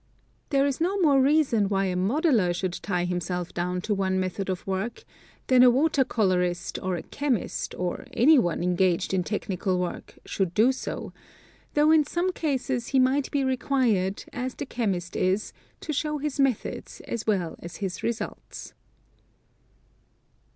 There is no more reason why a modeler should tie himself down to one method of work, than that a water colorist, or a chemist, or anyone engaged in technical work, should do so; though in some cases he might be required, as the chemist is, to show his methods as well as his results.